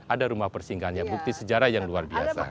ada rumah persinggahannya bukti sejarah yang luar biasa